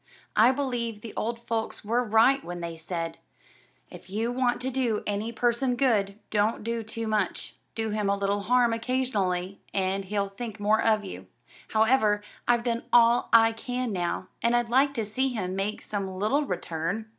I believe the old folks were right when they said, 'If you want to do any person good, don't do too much; do him a little harm occasionally, and he'll think more of you.' However, I've done all I can now, and I'd like to see him make some little return."